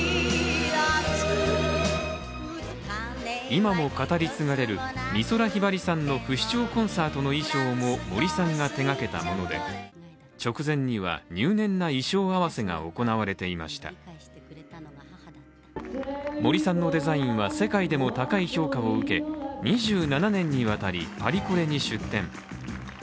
今も語り継がれる美空ひばりさんの不死鳥コンサートの衣装も森さんが手がけたもので直前には入念な衣装合わせが行われていました森さんのデザインは世界でも高い評価を受け２７年にわたりパリコレに出展。